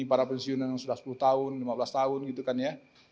para pensiunan yang sudah sepuluh tahun lima belas tahun gitu kan ya